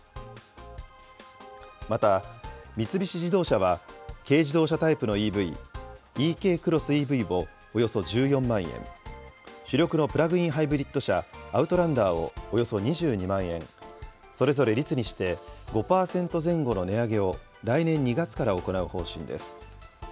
また、三菱自動車は軽自動車タイプのＥＶ、ｅＫクロスＥＶをおよそ１４万円、主力のプラグインハイブリッド車、アウトランダーをおよそ２２万円、それぞれ率にして５％前後の値上げを来年２月から行う方針です。